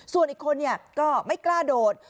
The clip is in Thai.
ส่วนอีกคนก็ไม่กล้าโดด